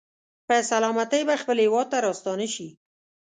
په سلامتۍ به خپل هېواد ته راستانه شي.